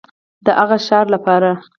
د هغه ښار لپاره